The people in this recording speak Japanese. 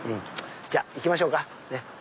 じゃ行きましょうか。